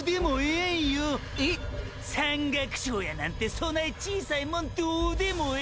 え⁉山岳賞やなんてそない小さいもんどうでもエエ！！